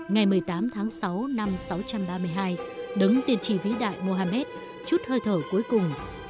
ngày một mươi tám tháng sáu năm sáu trăm ba mươi hai đấng tiên tri vĩ đại muhammad chút hơi thở cuối cùng